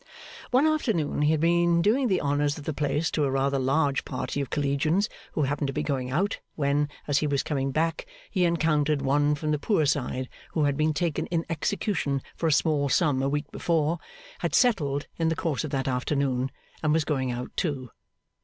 One afternoon he had been doing the honours of the place to a rather large party of collegians, who happened to be going out, when, as he was coming back, he encountered one from the poor side who had been taken in execution for a small sum a week before, had 'settled' in the course of that afternoon, and was going out too.